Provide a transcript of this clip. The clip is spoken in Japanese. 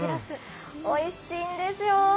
おいしいんですよ。